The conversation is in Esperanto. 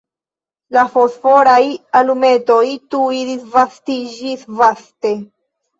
La fosforaj alumetoj tuj disvastiĝis vaste.